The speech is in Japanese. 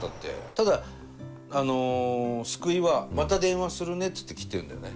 ただ救いはまた電話するねって言って切ってるんだよね。